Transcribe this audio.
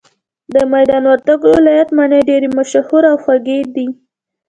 د ميدان وردګو ولايت مڼي ډيري مشهوره او خوږې دي